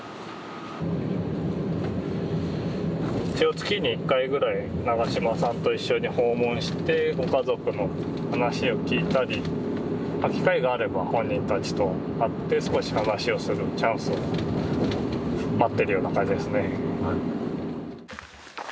月に１回ぐらい永島さんと一緒に訪問してご家族の話を聞いたり機会があれば本人たちと会って少し話をするチャンスを待ってるような感じですね。